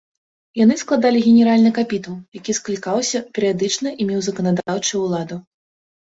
Яны складалі генеральны капітул, які склікаўся перыядычна і меў заканадаўчую ўладу.